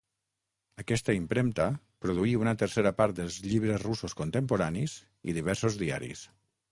Aquesta impremta produí una tercera part dels llibres russos contemporanis i diversos diaris.